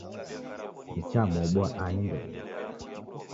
Nichamuoboa ani ndoenyi?